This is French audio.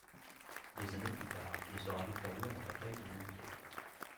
Deux années plus tard, il sera victorieux à la bataille de Montgey.